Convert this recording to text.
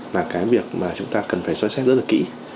là cái việc mà chúng ta cần phải so sét rất là kỹ